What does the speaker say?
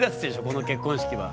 この結婚式は。